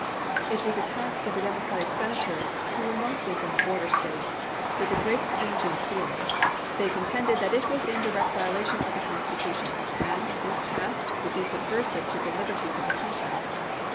It was attacked by the Democratic Senators, who were mostly from the border States, with the greatest energy and feeling. They contended that it was in direct violation of the Constitution, and, if passed, would be subversive of the liberties of the country.